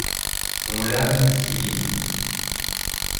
Ont l’âme si vile